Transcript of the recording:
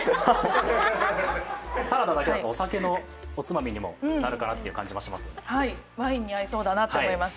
サラダだけだとお酒のおつまみにもなるかなという感じが字ました。